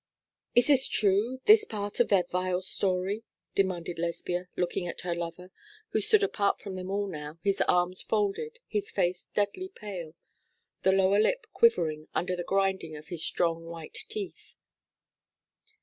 'Is this true, this part of their vile story?' demanded Lesbia, looking at her lover, who stood apart from them all now, his arms folded, his face deadly pale, the lower lip quivering under the grinding of his strong white teeth.